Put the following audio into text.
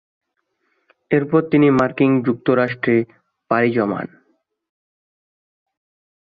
এরপর তিনি মার্কিন যুক্তরাষ্ট্রে পাড়ি জমান।